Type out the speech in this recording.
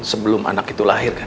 sebelum anak itu lahir kan